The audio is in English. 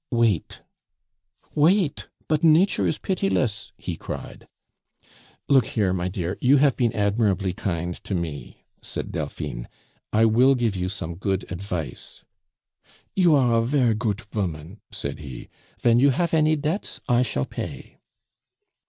"Wait." "Wait? But nature is pitiless!" he cried. "Look here, my dear, you have been admirably kind to me," said Delphine; "I will give you some good advice." "You are a ver' goot voman," said he. "Ven you hafe any debts I shall pay."